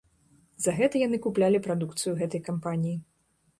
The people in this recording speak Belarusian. За гэта яны куплялі прадукцыю гэтай кампаніі.